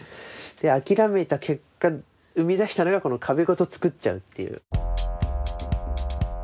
諦めた結果生み出したのが壁ごと作っちゃうという。